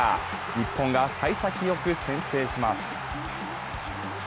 日本が幸先よく先制します。